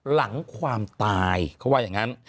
หลังความตายเขาว่าอย่างนั้น